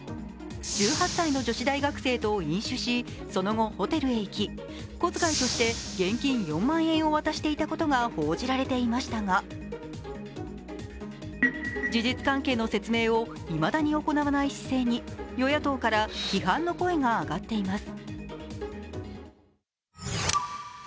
１８歳の女子大学生と飲食し、その後ホテルへ行き小遣いとして現金４万円を渡していたことが報じられていましたが、事実関係の説明をいまだに行わない姿勢に与野党から批判の声が上っています。